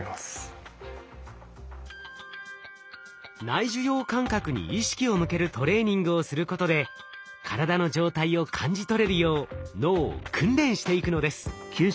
内受容感覚に意識を向けるトレーニングをすることで体の状態を感じ取れるよう脳を訓練していくのです。